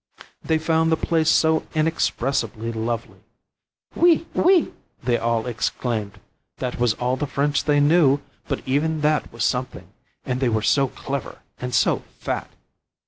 They found the place so inexpressibly lovely! "Oui! oui!" they all exclaimed. That was all the French they knew, but even that was something; and they were so clever and so fat!